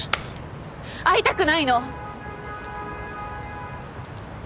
会いたくないの！